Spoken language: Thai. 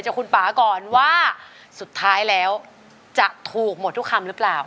จะถูกหมดทุกคำหรือเปล่า